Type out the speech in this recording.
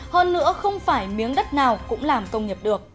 hơn nữa không phải miếng đất nào cũng làm công nghiệp được